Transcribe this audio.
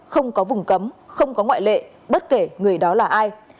không có vùng cấm không có ngoại lệ bất kể người đó là ai